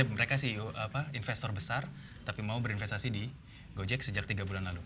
mereka sih investor besar tapi mau berinvestasi di gojek sejak tiga bulan lalu